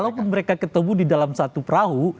walaupun mereka ketemu di dalam satu perahu